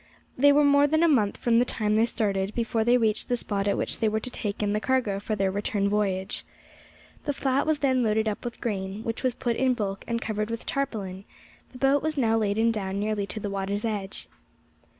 They were more than a month from the time they started before they reached the spot at which they were to take in the cargo for their return voyage. The flat was then loaded up with grain, which was put in in bulk and covered with tarpaulin; the boat was now laden down nearly to the water's edge.